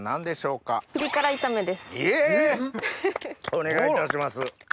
お願いいたします。